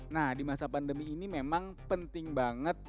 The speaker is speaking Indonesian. nah di masa pandemi ini memang penting banget